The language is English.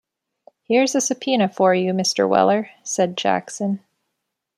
‘Here’s a subpoena for you, Mr. Weller,’ said Jackson.